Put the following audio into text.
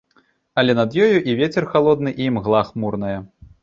Але над ёю і вецер халодны, і імгла хмурная.